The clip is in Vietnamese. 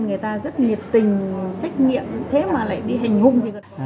người ta rất nhiệt tình trách nhiệm thế mà lại đi hành hung